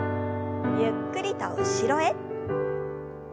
ゆっくりと後ろへ。